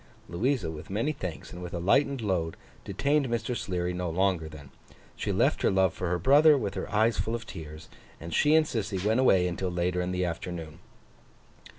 Louisa, with many thanks and with a lightened load, detained Mr. Sleary no longer then. She left her love for her brother, with her eyes full of tears; and she and Sissy went away until later in the afternoon.